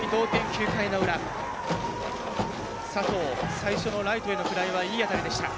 佐藤、最初のライトへのフライはいい当たりでした。